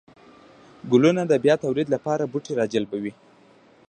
گلونه د بيا توليد لپاره بوټي راجلبوي